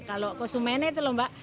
kalau konsumennya itu lho mbak